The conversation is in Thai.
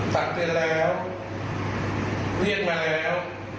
ตักเตือนแล้วเรียกมาแล้ว